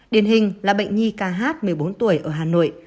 điển hình là bệnh nhi kh một mươi bốn tuổi ở hà nội